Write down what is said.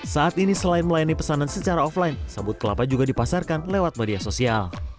saat ini selain melayani pesanan secara offline sabut kelapa juga dipasarkan lewat media sosial